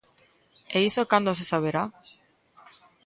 E iso cando se saberá?